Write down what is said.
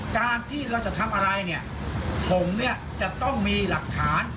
การที่เราจะทำอะไรผมจะต้องมีหลักฐาน